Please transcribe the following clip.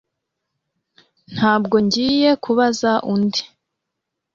Ntabwo ngiye kubaza undi